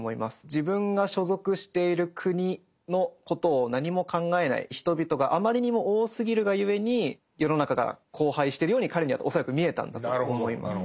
自分が所属している国のことを何も考えない人々があまりにも多すぎるが故に世の中が荒廃してるように彼には恐らく見えたんだと思います。